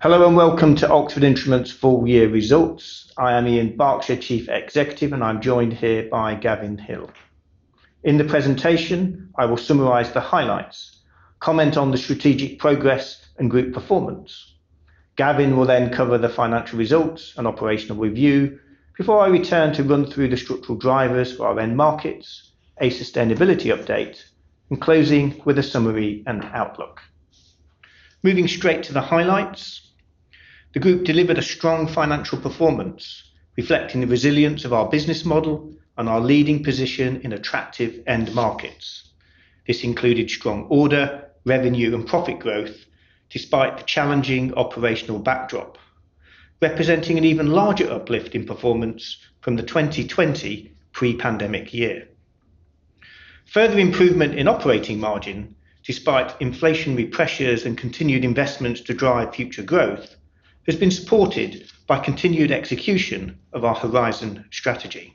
Hello and welcome to Oxford Instruments' full-year results. I am Ian Barkshire, Chief Executive, and I'm joined here by Gavin Hill. In the presentation, I will summarize the highlights, comment on the strategic progress and group performance. Gavin will then cover the financial results and operational review before I return to run through the structural drivers for our end markets, a sustainability update, and closing with a summary and outlook. Moving straight to the highlights, the group delivered a strong financial performance, reflecting the resilience of our business model and our leading position in attractive end markets. This included strong order, revenue, and profit growth despite the challenging operational backdrop, representing an even larger uplift in performance from the 2020 pre-pandemic year. Further improvement in operating margin despite inflationary pressures and continued investments to drive future growth has been supported by continued execution of our Horizon strategy.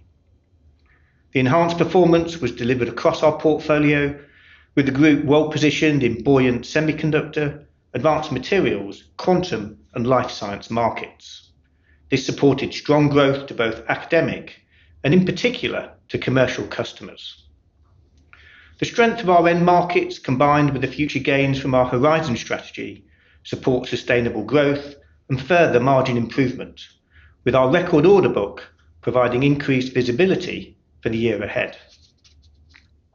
The enhanced performance was delivered across our portfolio, with the group well positioned in buoyant semiconductor, advanced materials, quantum, and life science markets. This supported strong growth to both academic and, in particular, to commercial customers. The strength of our end markets, combined with the future gains from our Horizon strategy, supports sustainable growth and further margin improvement, with our record order book providing increased visibility for the year ahead.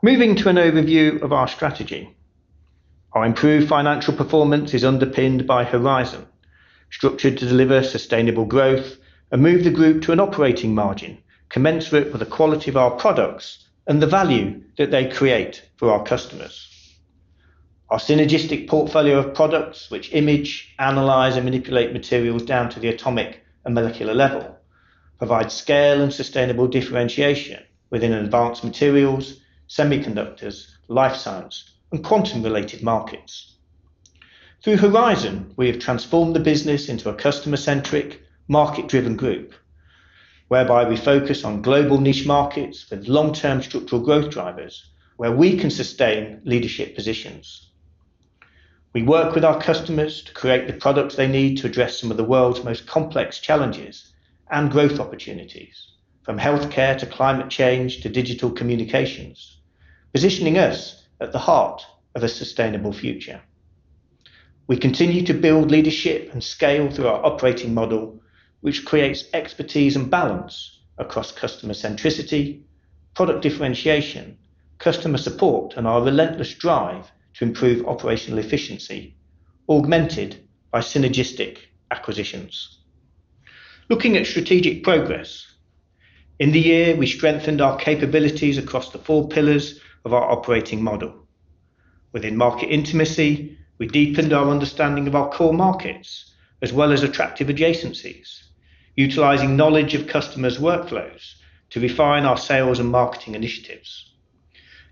Moving to an overview of our strategy, our improved financial performance is underpinned by Horizon, structured to deliver sustainable growth and move the group to an operating margin commensurate with the quality of our products and the value that they create for our customers. Our synergistic portfolio of products, which image, analyze, and manipulate materials down to the atomic and molecular level, provides scale and sustainable differentiation within advanced materials, semiconductors, life science, and quantum-related markets. Through Horizon, we have transformed the business into a customer-centric, market-driven group, whereby we focus on global niche markets with long-term structural growth drivers where we can sustain leadership positions. We work with our customers to create the products they need to address some of the world's most complex challenges and growth opportunities, from healthcare to climate change to digital communications, positioning us at the heart of a sustainable future. We continue to build leadership and scale through our operating model, which creates expertise and balance across customer-centricity, product differentiation, customer support, and our relentless drive to improve operational efficiency, augmented by synergistic acquisitions. Looking at strategic progress, in the year, we strengthened our capabilities across the four pillars of our operating model. Within market intimacy, we deepened our understanding of our core markets as well as attractive adjacencies, utilizing knowledge of customers' workflows to refine our sales and marketing initiatives.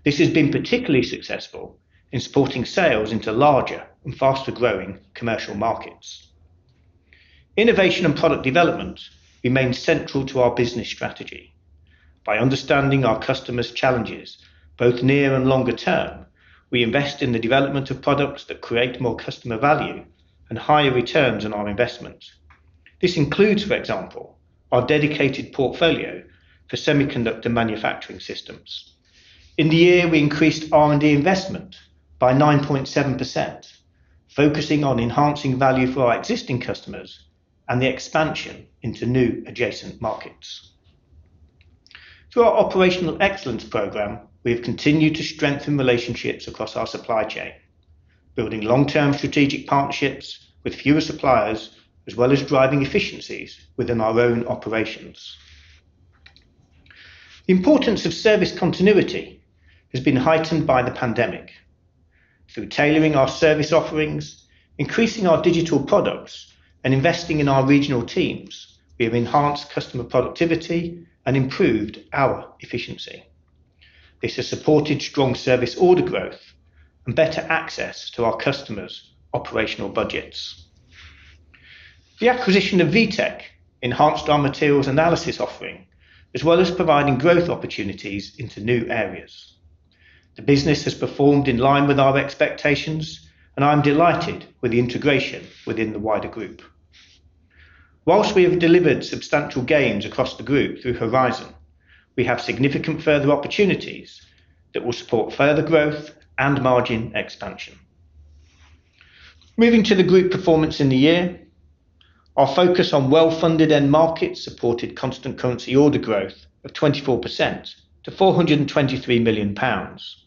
This has been particularly successful in supporting sales into larger and faster-growing commercial markets. Innovation and product development remain central to our business strategy. By understanding our customers' challenges, both near and longer term, we invest in the development of products that create more customer value and higher returns on our investments. This includes, for example, our dedicated portfolio for semiconductor manufacturing systems. In the year, we increased R&D investment by 9.7%, focusing on enhancing value for our existing customers and the expansion into new adjacent markets. Through our operational excellence program, we have continued to strengthen relationships across our supply chain, building long-term strategic partnerships with fewer suppliers as well as driving efficiencies within our own operations. The importance of service continuity has been heightened by the pandemic. Through tailoring our service offerings, increasing our digital products, and investing in our regional teams, we have enhanced customer productivity and improved our efficiency. This has supported strong service order growth and better access to our customers' operational budgets. The acquisition of VTEC enhanced our materials analysis offering as well as providing growth opportunities into new areas. The business has performed in line with our expectations, and I'm delighted with the integration within the wider group. Whilst we have delivered substantial gains across the group through Horizon, we have significant further opportunities that will support further growth and margin expansion. Moving to the group performance in the year, our focus on well-funded end markets supported constant currency order growth of 24% to 423 million pounds.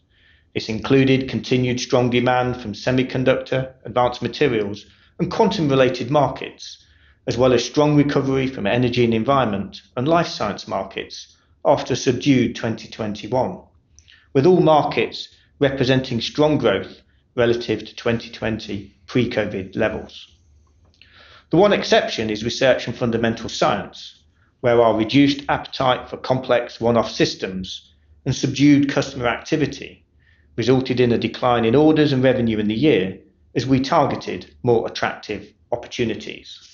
This included continued strong demand from semiconductor, advanced materials, and quantum-related markets, as well as strong recovery from energy and environment and life science markets after subdued 2021, with all markets representing strong growth relative to 2020 pre-COVID levels. The one exception is research and fundamental science, where our reduced appetite for complex one-off systems and subdued customer activity resulted in a decline in orders and revenue in the year as we targeted more attractive opportunities.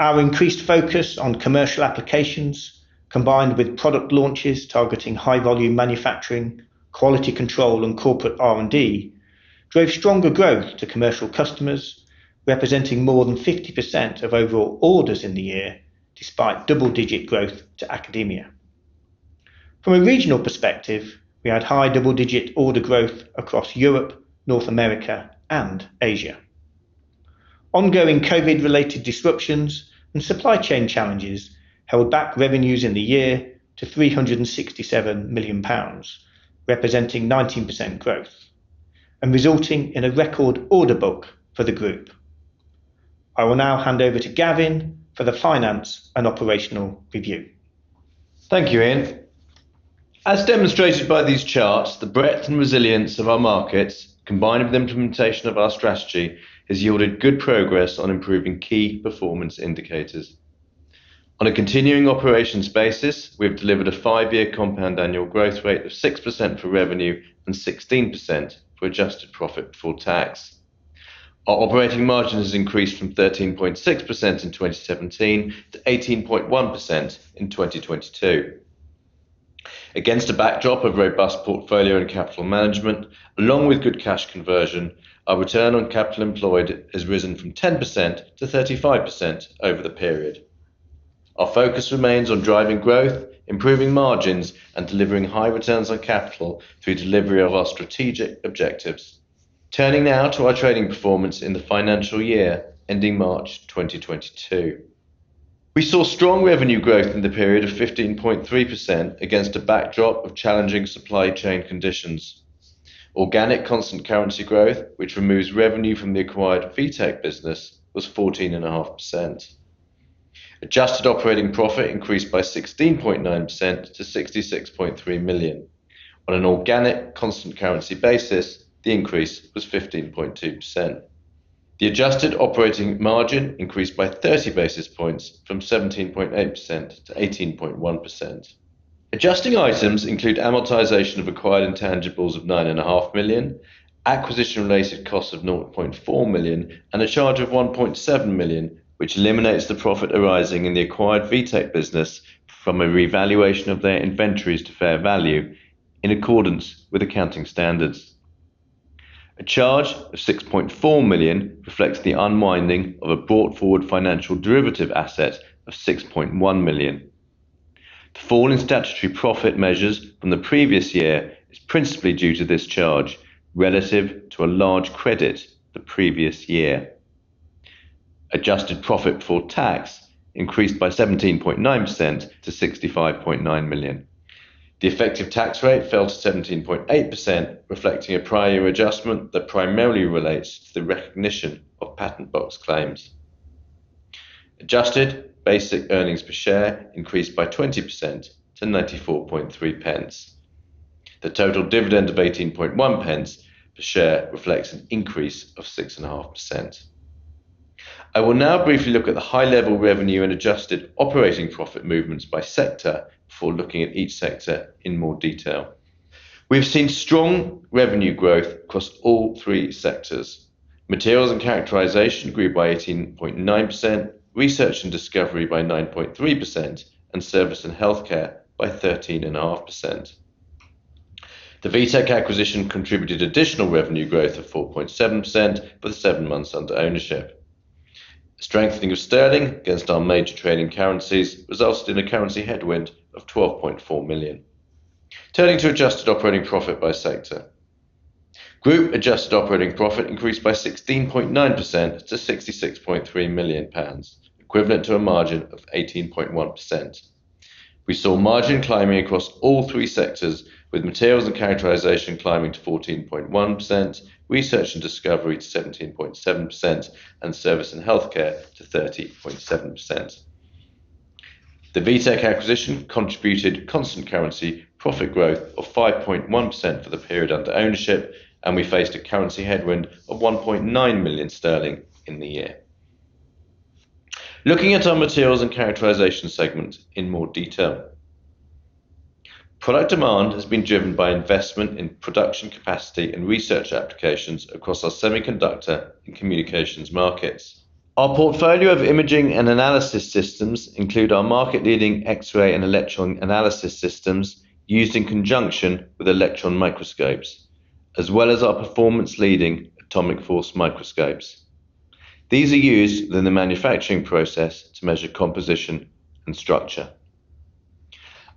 Our increased focus on commercial applications, combined with product launches targeting high-volume manufacturing, quality control, and corporate R&D, drove stronger growth to commercial customers, representing more than 50% of overall orders in the year, despite double-digit growth to academia. From a regional perspective, we had high double-digit order growth across Europe, North America, and Asia. Ongoing COVID-related disruptions and supply chain challenges held back revenues in the year to 367 million pounds, representing 19% growth and resulting in a record order book for the group. I will now hand over to Gavin for the finance and operational review. Thank you, Ian. As demonstrated by these charts, the breadth and resilience of our markets, combined with the implementation of our strategy, has yielded good progress on improving key performance indicators. On a continuing operations basis, we have delivered a five-year compound annual growth rate of 6% for revenue and 16% for adjusted profit before tax. Our operating margin has increased from 13.6% in 2017 to 18.1% in 2022. Against a backdrop of robust portfolio and capital management, along with good cash conversion, our return on capital employed has risen from 10% to 35% over the period. Our focus remains on driving growth, improving margins, and delivering high returns on capital through delivery of our strategic objectives. Turning now to our trading performance in the financial year ending March 2022, we saw strong revenue growth in the period of 15.3% against a backdrop of challenging supply chain conditions. Organic constant currency growth, which removes revenue from the acquired VTEC business, was 14.5%. Adjusted operating profit increased by 16.9% to 66.3 million. On an organic constant currency basis, the increase was 15.2%. The adjusted operating margin increased by 30 basis points from 17.8% to 18.1%. Adjusting items include amortization of acquired intangibles of 9.5 million, acquisition-related costs of 0.4 million, and a charge of 1.7 million, which eliminates the profit arising in the acquired VTEC business from a revaluation of their inventories to fair value in accordance with accounting standards. A charge of 6.4 million reflects the unwinding of a brought-forward financial derivative asset of 6.1 million. The fall in statutory profit measures from the previous year is principally due to this charge relative to a large credit the previous year. Adjusted profit before tax increased by 17.9% to 65.9 million. The effective tax rate fell to 17.8%, reflecting a prior adjustment that primarily relates to the recognition of patent box claims. Adjusted basic earnings per share increased by 20% to 94.3 pence. The total dividend of 18.1 pence per share reflects an increase of 6.5%. I will now briefly look at the high-level revenue and adjusted operating profit movements by sector before looking at each sector in more detail. We have seen strong revenue growth across all three sectors. Materials and characterization grew by 18.9%, research and discovery by 9.3%, and service and healthcare by 13.5%. The VTEC acquisition contributed additional revenue growth of 4.7% for the seven months under ownership. Strengthening of sterling against our major trading currencies resulted in a currency headwind of 12.4 million. Turning to adjusted operating profit by sector, group adjusted operating profit increased by 16.9% to 66.3 million pounds, equivalent to a margin of 18.1%. We saw margin climbing across all three sectors, with materials and characterization climbing to 14.1%, research and discovery to 17.7%, and service and healthcare to 30.7%. The VTEC acquisition contributed constant currency profit growth of 5.1% for the period under ownership, and we faced a currency headwind of 1.9 million sterling in the year. Looking at our materials and characterization segment in more detail, product demand has been driven by investment in production capacity and research applications across our semiconductor and communications markets. Our portfolio of imaging and analysis systems includes our market-leading X-ray and electron analysis systems used in conjunction with electron microscopes, as well as our performance-leading atomic force microscopes. These are used in the manufacturing process to measure composition and structure.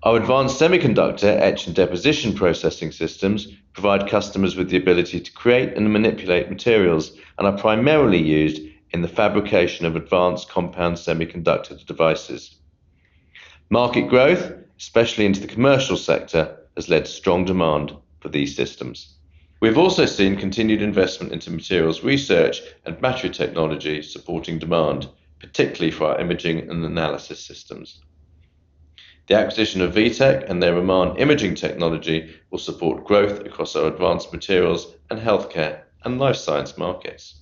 Our advanced semiconductor etch and deposition processing systems provide customers with the ability to create and manipulate materials and are primarily used in the fabrication of advanced compound semiconductor devices. Market growth, especially into the commercial sector, has led to strong demand for these systems. We have also seen continued investment into materials research and battery technology supporting demand, particularly for our imaging and analysis systems. The acquisition of VTEC and their Iman Imaging Technology will support growth across our advanced materials and healthcare and life science markets.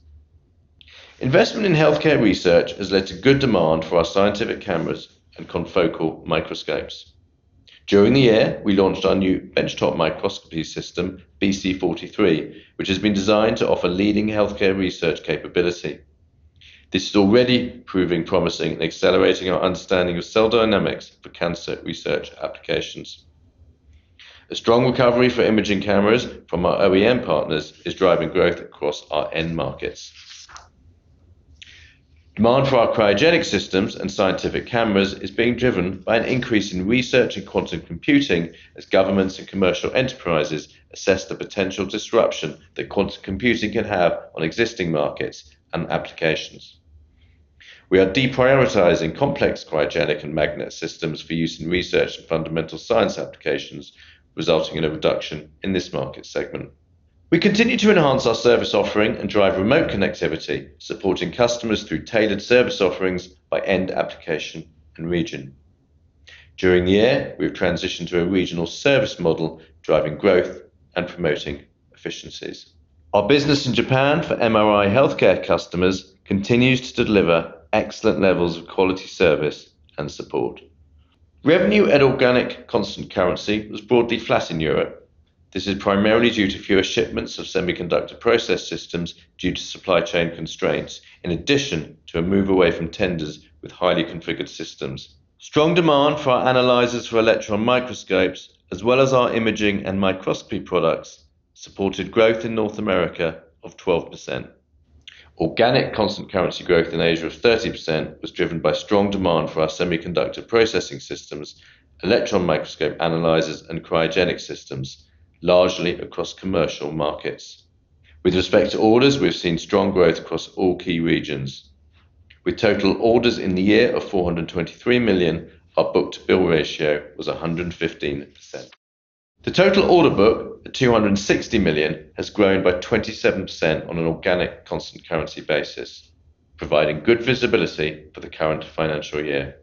Investment in healthcare research has led to good demand for our scientific cameras and confocal microscopes. During the year, we launched our new benchtop microscopy system, BC43, which has been designed to offer leading healthcare research capability. This is already proving promising and accelerating our understanding of cell dynamics for cancer research applications. A strong recovery for imaging cameras from our OEM partners is driving growth across our end markets. Demand for our cryogenic systems and scientific cameras is being driven by an increase in research and quantum computing as governments and commercial enterprises assess the potential disruption that quantum computing can have on existing markets and applications. We are deprioritizing complex cryogenic and magnet systems for use in research and fundamental science applications, resulting in a reduction in this market segment. We continue to enhance our service offering and drive remote connectivity, supporting customers through tailored service offerings by end application and region. During the year, we have transitioned to a regional service model, driving growth and promoting efficiencies. Our business in Japan for MRI healthcare customers continues to deliver excellent levels of quality service and support. Revenue at organic constant currency was broadly flat in Europe. This is primarily due to fewer shipments of semiconductor process systems due to supply chain constraints, in addition to a move away from tenders with highly configured systems. Strong demand for our analyzers for electron microscopes, as well as our imaging and microscopy products, supported growth in North America of 12%. Organic constant currency growth in Asia of 30% was driven by strong demand for our semiconductor processing systems, electron microscope analyzers, and cryogenic systems, largely across commercial markets. With respect to orders, we have seen strong growth across all key regions. With total orders in the year of 423 million, our book-to-bill ratio was 115%. The total order book of 260 million has grown by 27% on an organic constant currency basis, providing good visibility for the current financial year.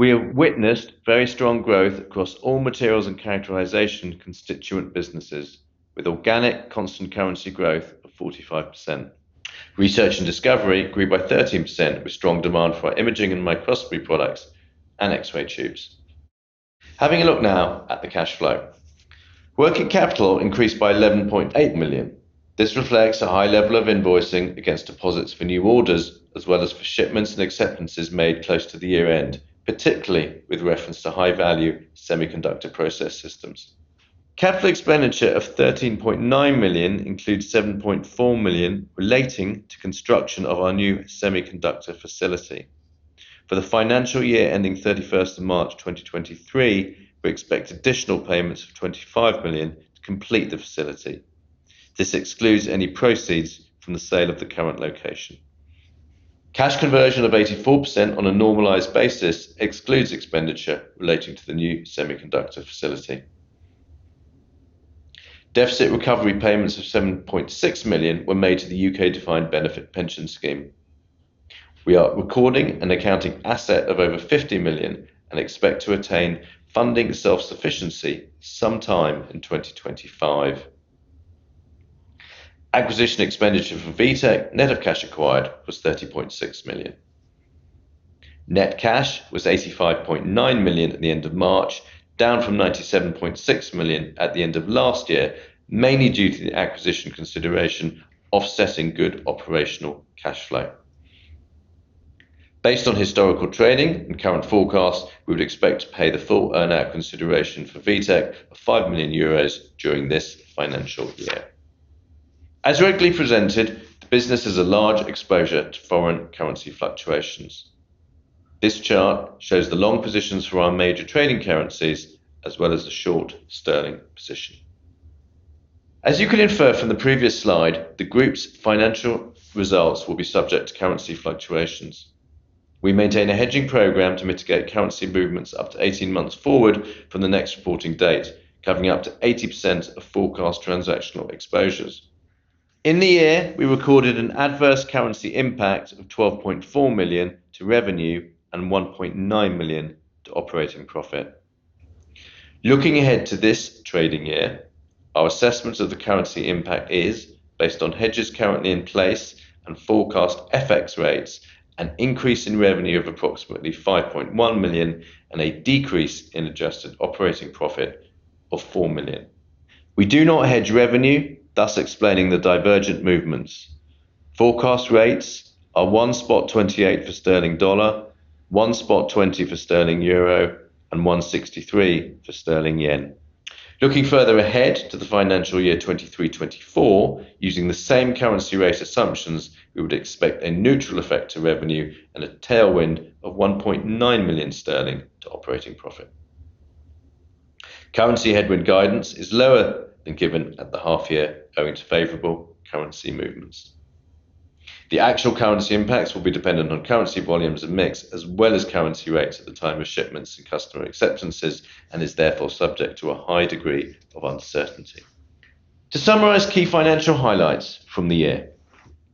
We have witnessed very strong growth across all materials and characterization constituent businesses, with organic constant currency growth of 45%. Research and discovery grew by 13% with strong demand for our imaging and microscopy products and X-ray tubes. Having a look now at the cash flow, working capital increased by 11.8 million. This reflects a high level of invoicing against deposits for new orders, as well as for shipments and acceptances made close to the year end, particularly with reference to high-value semiconductor process systems. Capital expenditure of 13.9 million includes 7.4 million relating to construction of our new semiconductor facility. For the financial year ending 31 March 2023, we expect additional payments of 25 million to complete the facility. This excludes any proceeds from the sale of the current location. Cash conversion of 84% on a normalized basis excludes expenditure relating to the new semiconductor facility. Deficit recovery payments of 7.6 million were made to the U.K. Defined Benefit Pension Scheme. We are recording an accounting asset of over 50 million and expect to attain funding self-sufficiency sometime in 2025. Acquisition expenditure for VTEC, net of cash acquired, was 30.6 million. Net cash was 85.9 million at the end of March, down from 97.6 million at the end of last year, mainly due to the acquisition consideration offsetting good operational cash flow. Based on historical trading and current forecasts, we would expect to pay the full earnout consideration for VTEC of 5 million euros during this financial year. As regularly presented, the business has a large exposure to foreign currency fluctuations. This chart shows the long positions for our major trading currencies, as well as the short sterling position. As you can infer from the previous slide, the group's financial results will be subject to currency fluctuations. We maintain a hedging program to mitigate currency movements up to 18 months forward from the next reporting date, covering up to 80% of forecast transactional exposures. In the year, we recorded an adverse currency impact of 12.4 million to revenue and 1.9 million to operating profit. Looking ahead to this trading year, our assessment of the currency impact is, based on hedges currently in place and forecast FX rates, an increase in revenue of approximately 5.1 million and a decrease in adjusted operating profit of 4 million. We do not hedge revenue, thus explaining the divergent movements. Forecast rates are 1.28 for sterling dollar, 1.20 for sterling euro, and 163 for sterling yen. Looking further ahead to the financial year 2023/2024, using the same currency rate assumptions, we would expect a neutral effect to revenue and a tailwind of 1.9 million sterling to operating profit. Currency headwind guidance is lower than given at the half-year going to favorable currency movements. The actual currency impacts will be dependent on currency volumes and mix, as well as currency rates at the time of shipments and customer acceptances, and is therefore subject to a high degree of uncertainty. To summarize key financial highlights from the year,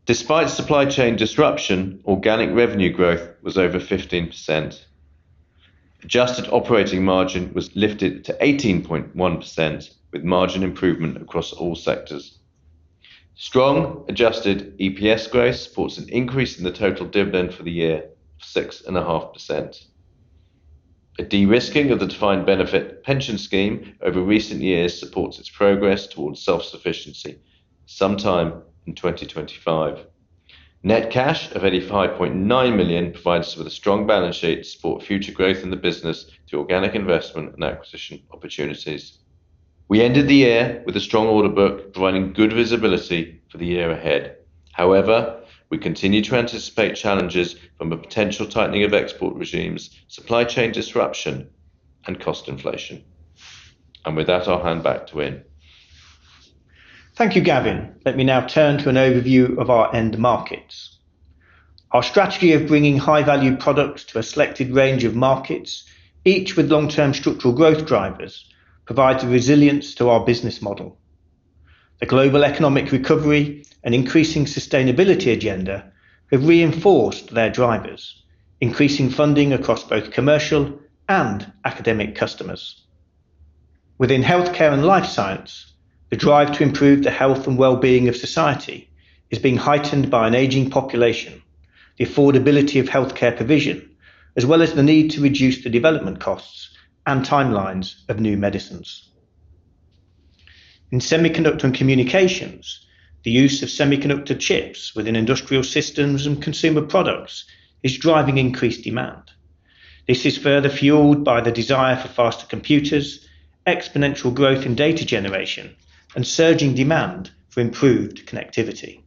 despite supply chain disruption, organic revenue growth was over 15%. Adjusted operating margin was lifted to 18.1%, with margin improvement across all sectors. Strong adjusted EPS growth supports an increase in the total dividend for the year of 6.5%. A de-risking of the defined benefit pension scheme over recent years supports its progress towards self-sufficiency sometime in 2025. Net cash of £85.9 million provides us with a strong balance sheet to support future growth in the business through organic investment and acquisition opportunities. We ended the year with a strong order book providing good visibility for the year ahead. However, we continue to anticipate challenges from a potential tightening of export regimes, supply chain disruption, and cost inflation. With that, I'll hand back to Ian. Thank you, Gavin. Let me now turn to an overview of our end markets. Our strategy of bringing high-value products to a selected range of markets, each with long-term structural growth drivers, provides a resilience to our business model. The global economic recovery and increasing sustainability agenda have reinforced their drivers, increasing funding across both commercial and academic customers. Within healthcare and life science, the drive to improve the health and well-being of society is being heightened by an aging population, the affordability of healthcare provision, as well as the need to reduce the development costs and timelines of new medicines. In semiconductor and communications, the use of semiconductor chips within industrial systems and consumer products is driving increased demand. This is further fueled by the desire for faster computers, exponential growth in data generation, and surging demand for improved connectivity.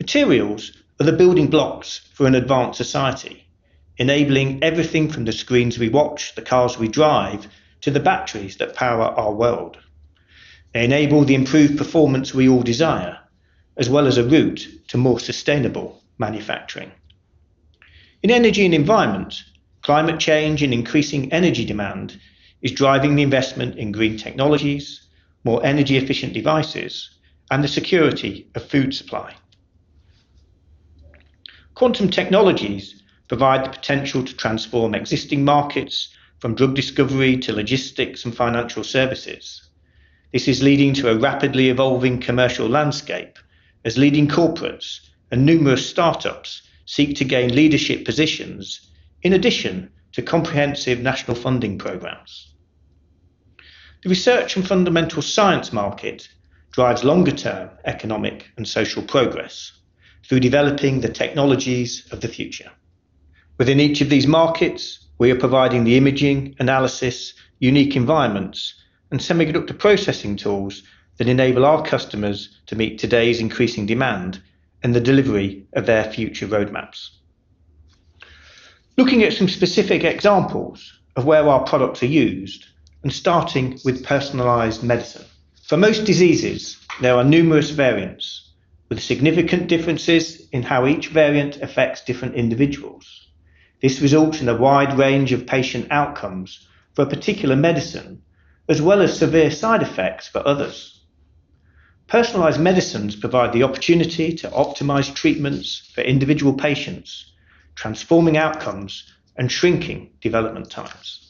Materials are the building blocks for an advanced society, enabling everything from the screens we watch, the cars we drive, to the batteries that power our world. They enable the improved performance we all desire, as well as a route to more sustainable manufacturing. In energy and environment, climate change and increasing energy demand is driving the investment in green technologies, more energy-efficient devices, and the security of food supply. Quantum technologies provide the potential to transform existing markets from drug discovery to logistics and financial services. This is leading to a rapidly evolving commercial landscape, as leading corporates and numerous startups seek to gain leadership positions, in addition to comprehensive national funding programs. The research and fundamental science market drives longer-term economic and social progress through developing the technologies of the future. Within each of these markets, we are providing the imaging, analysis, unique environments, and semiconductor processing tools that enable our customers to meet today's increasing demand and the delivery of their future roadmaps. Looking at some specific examples of where our products are used, and starting with personalized medicine. For most diseases, there are numerous variants, with significant differences in how each variant affects different individuals. This results in a wide range of patient outcomes for a particular medicine, as well as severe side effects for others. Personalized medicines provide the opportunity to optimize treatments for individual patients, transforming outcomes and shrinking development times.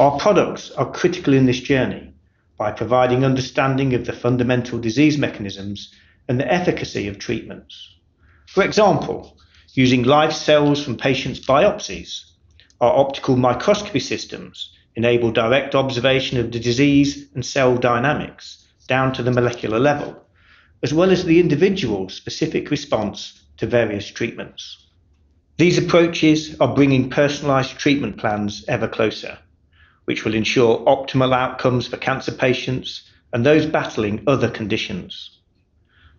Our products are critical in this journey by providing understanding of the fundamental disease mechanisms and the efficacy of treatments. For example, using live cells from patients' biopsies, our optical microscopy systems enable direct observation of the disease and cell dynamics down to the molecular level, as well as the individual's specific response to various treatments. These approaches are bringing personalized treatment plans ever closer, which will ensure optimal outcomes for cancer patients and those battling other conditions.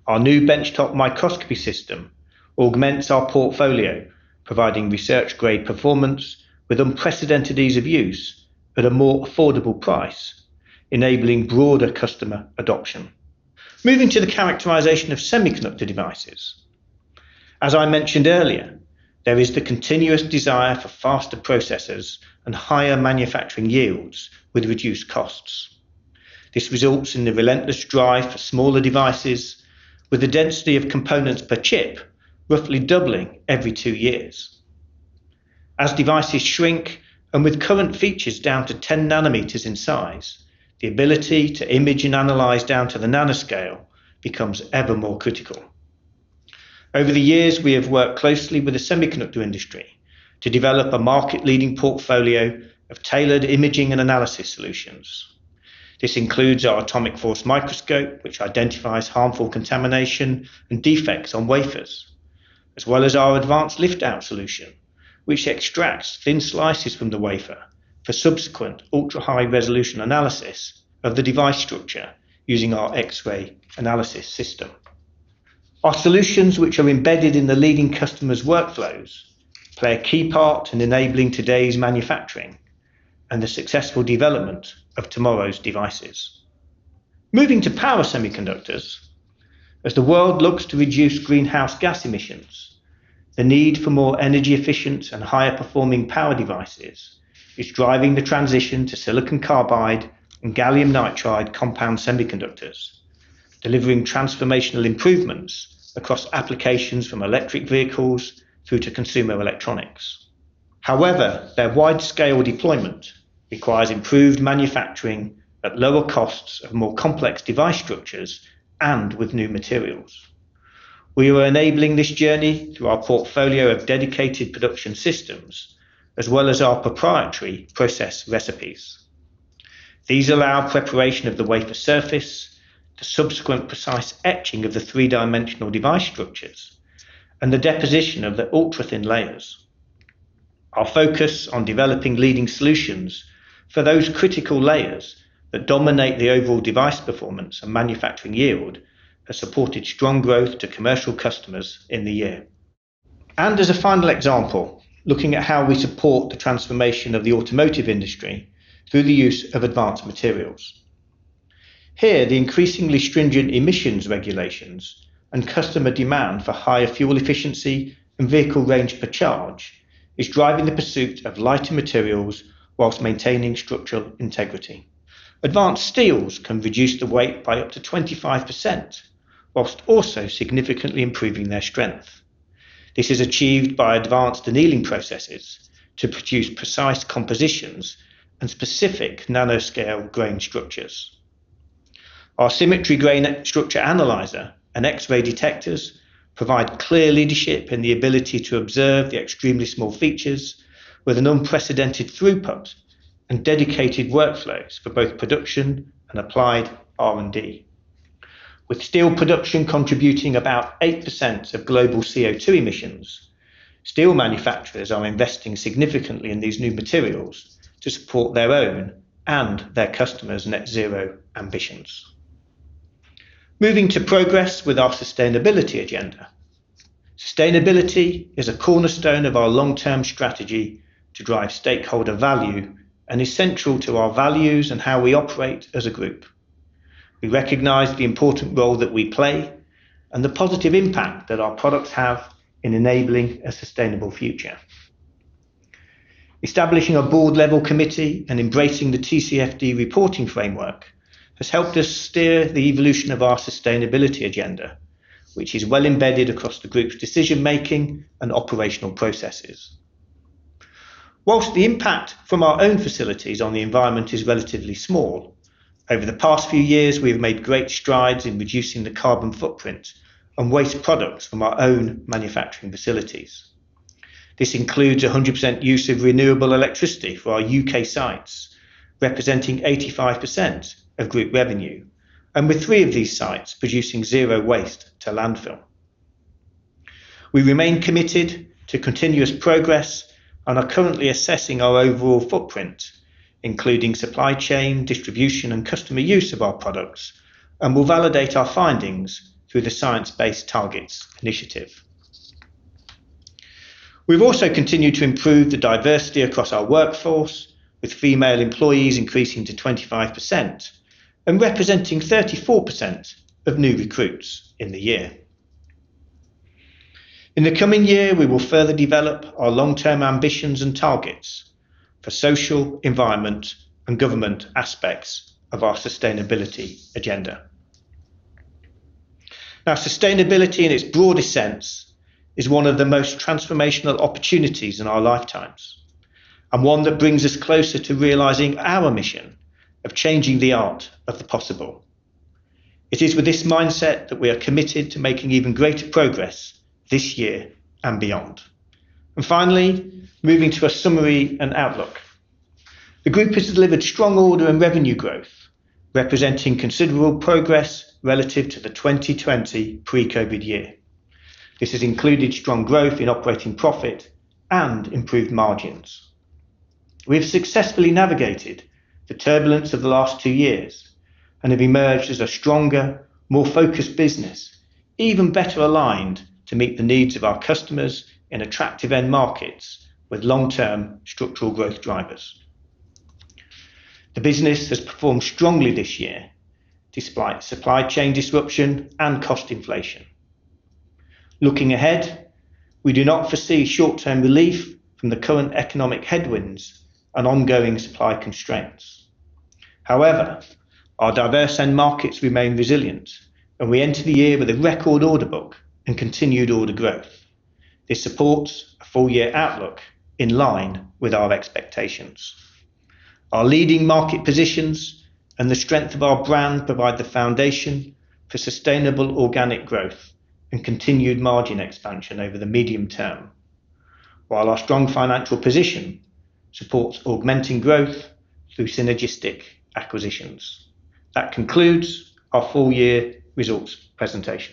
Our new benchtop microscopy system augments our portfolio, providing research-grade performance with unprecedented ease of use at a more affordable price, enabling broader customer adoption. Moving to the characterization of semiconductor devices. As I mentioned earlier, there is the continuous desire for faster processors and higher manufacturing yields with reduced costs. This results in the relentless drive for smaller devices, with the density of components per chip roughly doubling every two years. As devices shrink and with current features down to 10 nanometers in size, the ability to image and analyze down to the nanoscale becomes ever more critical. Over the years, we have worked closely with the semiconductor industry to develop a market-leading portfolio of tailored imaging and analysis solutions. This includes our atomic force microscope, which identifies harmful contamination and defects on wafers, as well as our advanced lift-out solution, which extracts thin slices from the wafer for subsequent ultra-high-resolution analysis of the device structure using our X-ray analysis system. Our solutions, which are embedded in the leading customers' workflows, play a key part in enabling today's manufacturing and the successful development of tomorrow's devices. Moving to power semiconductors, as the world looks to reduce greenhouse gas emissions, the need for more energy-efficient and higher-performing power devices is driving the transition to silicon carbide and gallium nitride compound semiconductors, delivering transformational improvements across applications from electric vehicles through to consumer electronics. However, their wide-scale deployment requires improved manufacturing at lower costs of more complex device structures and with new materials. We are enabling this journey through our portfolio of dedicated production systems, as well as our proprietary process recipes. These allow preparation of the wafer surface, the subsequent precise etching of the three-dimensional device structures, and the deposition of the ultra-thin layers. Our focus on developing leading solutions for those critical layers that dominate the overall device performance and manufacturing yield has supported strong growth to commercial customers in the year. As a final example, looking at how we support the transformation of the automotive industry through the use of advanced materials. Here, the increasingly stringent emissions regulations and customer demand for higher fuel efficiency and vehicle range per charge is driving the pursuit of lighter materials whilst maintaining structural integrity. Advanced steels can reduce the weight by up to 25%, whilst also significantly improving their strength. This is achieved by advanced annealing processes to produce precise compositions and specific nanoscale grain structures. Our Symmetry grain structure analyzer and X-ray detectors provide clear leadership in the ability to observe the extremely small features with an unprecedented throughput and dedicated workflows for both production and applied R&D. With steel production contributing about 8% of global CO2 emissions, steel manufacturers are investing significantly in these new materials to support their own and their customers' net zero ambitions. Moving to progress with our sustainability agenda. Sustainability is a cornerstone of our long-term strategy to drive stakeholder value and is central to our values and how we operate as a group. We recognize the important role that we play and the positive impact that our products have in enabling a sustainable future. Establishing a board-level committee and embracing the TCFD reporting framework has helped us steer the evolution of our sustainability agenda, which is well embedded across the group's decision-making and operational processes. Whilst the impact from our own facilities on the environment is relatively small, over the past few years, we have made great strides in reducing the carbon footprint and waste products from our own manufacturing facilities. This includes 100% use of renewable electricity for our U.K. sites, representing 85% of group revenue, and with three of these sites producing zero waste to landfill. We remain committed to continuous progress and are currently assessing our overall footprint, including supply chain, distribution, and customer use of our products, and will validate our findings through the Science-Based Targets Initiative. We've also continued to improve the diversity across our workforce, with female employees increasing to 25% and representing 34% of new recruits in the year. In the coming year, we will further develop our long-term ambitions and targets for social, environment, and government aspects of our sustainability agenda. Now, sustainability in its broadest sense is one of the most transformational opportunities in our lifetimes and one that brings us closer to realizing our mission of changing the art of the possible. It is with this mindset that we are committed to making even greater progress this year and beyond. Finally, moving to a summary and outlook. The group has delivered strong order and revenue growth, representing considerable progress relative to the 2020 pre-COVID year. This has included strong growth in operating profit and improved margins. We have successfully navigated the turbulence of the last two years and have emerged as a stronger, more focused business, even better aligned to meet the needs of our customers in attractive end markets with long-term structural growth drivers. The business has performed strongly this year, despite supply chain disruption and cost inflation. Looking ahead, we do not foresee short-term relief from the current economic headwinds and ongoing supply constraints. However, our diverse end markets remain resilient, and we enter the year with a record order book and continued order growth. This supports a full-year outlook in line with our expectations. Our leading market positions and the strength of our brand provide the foundation for sustainable organic growth and continued margin expansion over the medium term, while our strong financial position supports augmenting growth through synergistic acquisitions. That concludes our full-year results presentation.